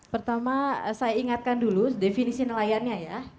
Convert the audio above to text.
pertama saya ingatkan dulu definisi nelayannya ya